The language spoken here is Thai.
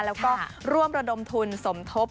แล้วก็ร่วมระดมทุนสมทบ